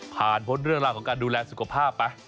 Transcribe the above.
ผ่านพรุ่งด้วยเรื่องราวของการดูแลสุขภาพไป